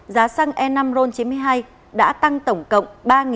giá xăng e năm ron chín mươi hai đã tăng tổng cộng